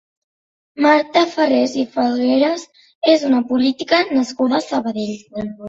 Marta Farrés i Falgueras és una política nascuda a Sabadell.